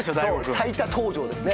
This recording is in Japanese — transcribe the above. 最多登場ですね。